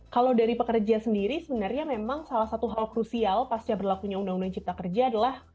kalau dari pekerja sendiri sebenarnya memang salah satu hal krusial pasca berlakunya undang undang cipta kerja adalah